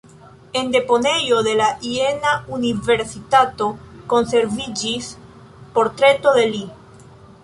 En deponejo de la Jena-universitato konserviĝis portreto de li.